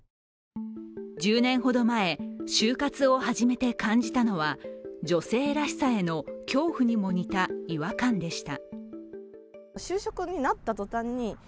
１０年ほど前就活をして感じたのは女性らしさへの恐怖にも似た違和感でした。